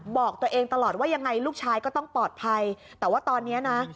บอกตัวเองตลอดว่ายังไงลูกชายก็ต้องปลอดภัยแต่ว่าตอนนี้นะ